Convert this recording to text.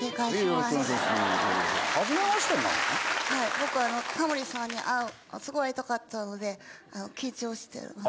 僕あのタモリさんに会うすごい会いたかったので緊張してます。